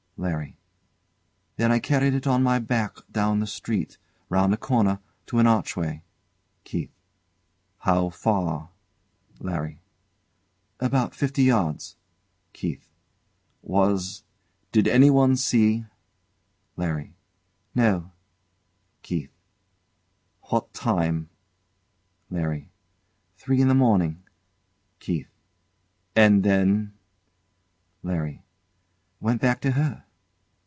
LARRY. Then I carried it on my back down the street, round a corner, to an archway. KEITH. How far? LARRY. About fifty yards. KEITH. Was did anyone see? LARRY. No. KEITH. What time? LARRY. Three in the morning. KEITH. And then? LARRY. Went back to her.